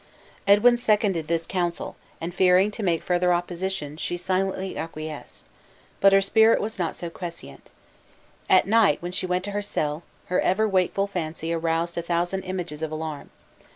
Edwin seconded this counsel; and fearing to make further opposition, she silently acquiesced. But her spirit was not so quiescent. At night when she went to her cell, her ever wakeful fancy aroused a thousand images of alarm.